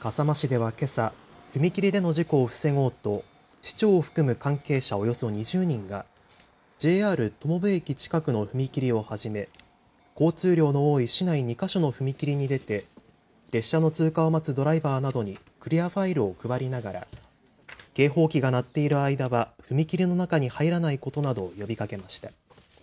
笠間市ではけさ、踏切での事故を防ごうと市長を含む関係者およそ２０人がＪＲ友部駅近くの踏切をはじめ交通量の多い市内２か所の踏切に出て列車の通過を待つドライバーなどにクリアファイルを配りながら警報機が鳴っている間は踏切の中に入らないことなどを呼びかけました。